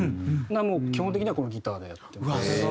なので基本的にはこのギターでやってます。